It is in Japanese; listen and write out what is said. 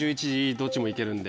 どっちもいけるんで。